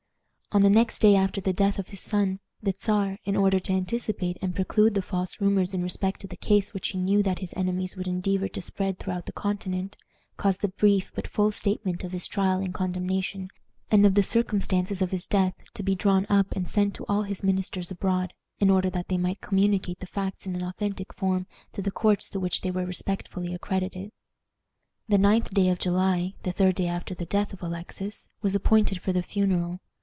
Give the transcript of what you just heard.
On the next day after the death of his son, the Czar, in order to anticipate and preclude the false rumors in respect to the case which he knew that his enemies would endeavor to spread throughout the Continent, caused a brief but full statement of his trial and condemnation, and of the circumstances of his death, to be drawn up and sent to all his ministers abroad, in order that they might communicate the facts in an authentic form to the courts to which they were respectfully accredited. The ninth day of July, the third day after the death of Alexis, was appointed for the funeral.